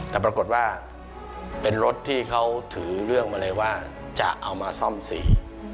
แต่ปรากฏว่าเป็นรถที่เขาถือเรื่องมาเลยว่าจะเอามาซ่อมสี